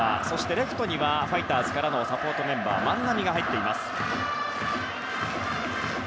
レフトにはファイターズからのサポートメンバー、万波。